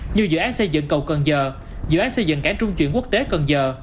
như dự án xây dựng cầu cần giờ dự án xây dựng cảng trung chuyển quốc tế cần giờ